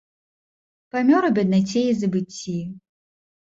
Памёр у беднаце і забыцці.